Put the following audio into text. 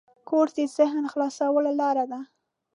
کورس د ذهن خلاصولو لاره ده.